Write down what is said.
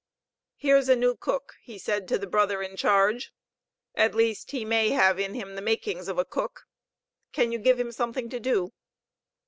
"Here's a new cook," he said to the brother in charge. "At least, he may have in him the makings of a cook. Can you give him something to do?"